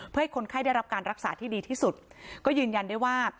เพื่อให้คนไข้ได้รับการรักษาที่ดีที่สุดก็ยืนยันได้ว่า